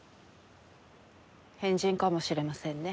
変人かもしれませんね。